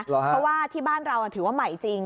เพราะว่าที่บ้านเราถือว่าใหม่จริง